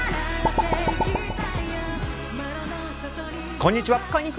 こんにちは。